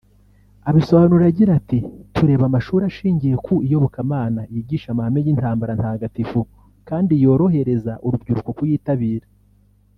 Abisobanura agira ati "Tureba amashuri ashingiye ku iyobokamana yigisha amahame y’intambara ntagatifu kandi yorohereza urubyiruko kuyitabira